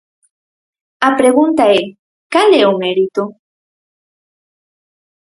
A pregunta é: ¿cal é o mérito?